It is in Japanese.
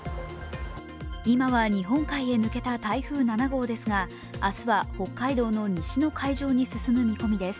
今は日本海へ抜けた台風７号ですが明日は北海道の西の海上に進む見込みです。